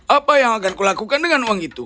apa yang akan kulakukan dengan uang itu